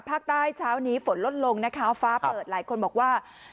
เช้านี้ฝนลดลงนะคะฟ้าเปิดหลายคนบอกว่า